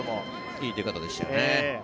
いい出方でしたよね。